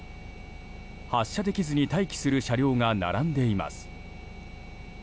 発車できずに待機する車両が並んでいます。